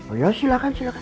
oh iya silahkan silahkan